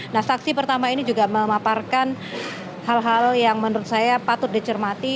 nah saksi pertama ini juga memaparkan hal hal yang menurut saya patut dicermati